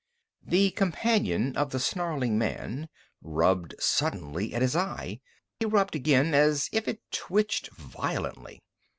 The companion of the snarling man rubbed suddenly at his eye. He rubbed again, as if it twitched violently.